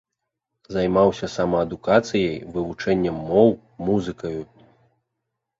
Займаўся самаадукацыяй, вывучэннем моў, музыкаю.